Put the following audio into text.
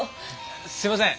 すみません